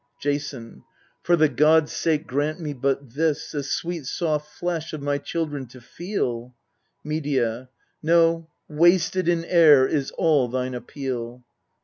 Jason. For the gods' sake grant me but this, The sweet soft flesh of my children to feel ! Medea. No wasted in air is all thine appeal.